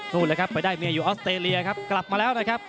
เลยครับไปได้เมียอยู่ออสเตรเลียครับกลับมาแล้วนะครับ